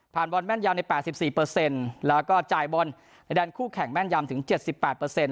ผ่านบอลแม่นยามในแปดสิบสี่เปอร์เซ็นต์แล้วก็จ่ายบอลในด้านคู่แข่งแม่นยามถึงเจ็ดสิบแปดเปอร์เซ็นต์